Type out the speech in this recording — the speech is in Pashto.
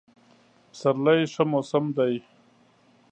پسرلی ښه موسم دی.